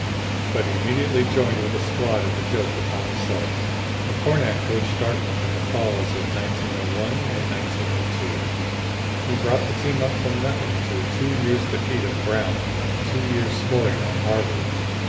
But immediately joined with the squad in the joke upon himself." McCornack coached Dartmouth in the falls of 1901 and 1902. He brought the team up from nothing to a two years' defeat of Brown and two years' scoring on Harvard.